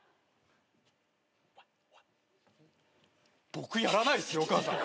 僕やらないっすよお母さん。